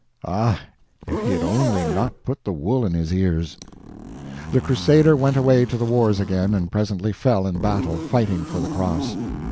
Ah, if he had only not put the wool in his ears! The Crusader went away to the wars again, and presently fell in battle, fighting for the Cross.